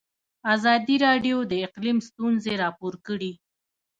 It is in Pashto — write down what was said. ازادي راډیو د اقلیم ستونزې راپور کړي.